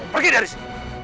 pergi dari sini